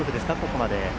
ここまで。